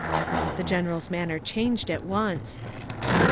The General's manner changed at once.